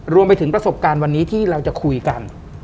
รวมไปถึงประสบการณ์วันนี้ที่เราจะคุยกัน